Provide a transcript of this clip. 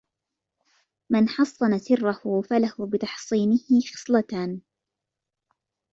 مَنْ حَصَّنَ سِرَّهُ فَلَهُ بِتَحْصِينِهِ خَصْلَتَانِ